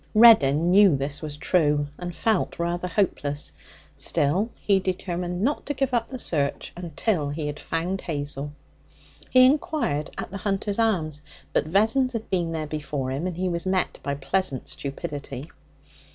Reddin knew this was true, and felt rather hopeless. Still, he determined not to give up the search until he had found Hazel. He inquired at the Hunter's Arms, but Vessons had been there before him, and he was met by pleasant stupidity.